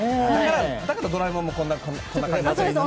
だからドラえもんもこんな感じで。